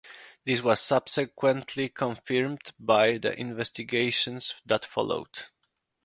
This was subsequently confirmed by the investigations that followed.